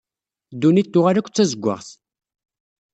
Ddunit tuɣal akk d ttazeggaɣt.